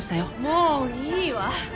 もういいわ！